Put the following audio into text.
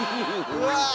うわ！